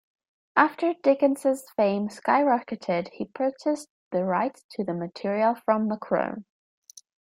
After Dickens's fame skyrocketed he purchased the rights to the material from Macrone.